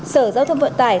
sở giao thông vận tải